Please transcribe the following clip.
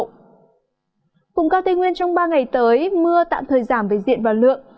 vùng cao tây nguyên trong ba ngày tới mưa tạm thời giảm về diện và lượng